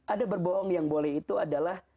ada berbohong yang boleh itu adalah